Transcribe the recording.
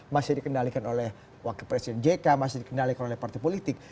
masih dikendalikan oleh wakil presiden jk masih dikendalikan oleh partai politik